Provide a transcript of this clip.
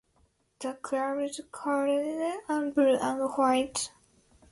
The club's colours are blue and white.